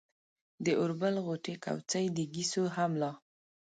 د اوربل غوټې، کوڅۍ، د ګيسو هم لا